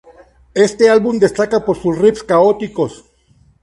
Este álbum destaca por sus "riffs" caóticos.